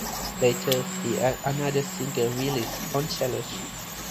Later he had another single released on Challenge.